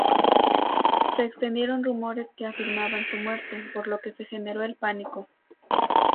Se extendieron rumores que afirmaban su muerte, por lo que se generó el pánico.